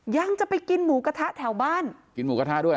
ยังจะไปกินหมูกระทะแถวบ้านกินหมูกระทะด้วย